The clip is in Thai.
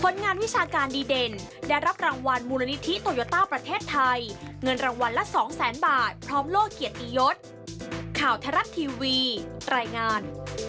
รถข่าวทรัพย์ทีวีรายงาน